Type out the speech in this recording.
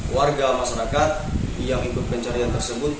warga masyarakat yang ikut pencarian tersebut